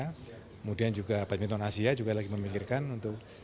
kemudian juga badan badan asia juga lagi memikirkan untuk